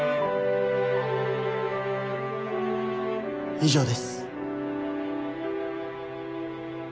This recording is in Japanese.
以上です。